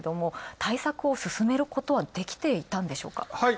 対策を進めることはできていたんでしょうか。